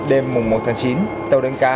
đêm một chín tàu đánh cá